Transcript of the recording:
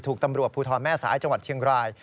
ถูกตำรวจภูทรแม่สายจังหวัดเชียงราย